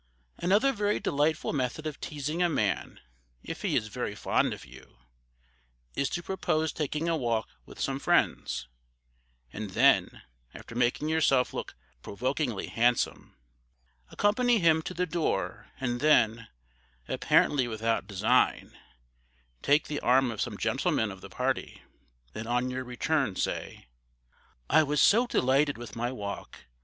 Another very delightful method of teasing a man if he is very fond of you, is to propose taking a walk with some friends, and then after making yourself look "provokingly handsome," accompany him to the door and then, apparently without design, take the arm of some gentleman of the party, then on your return, say, "I was so delighted with my walk!